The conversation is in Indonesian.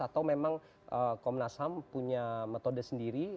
atau memang komnas ham punya metode sendiri